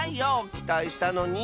きたいしたのに。